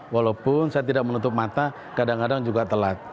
walaupun saya tidak menutup mata kadang kadang juga telat